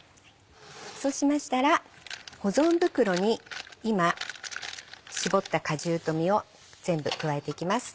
そうしましたら保存袋に今搾った果汁と実を全部加えていきます。